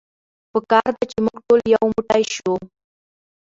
په کار ده چې مونږ ټول يو موټی شو.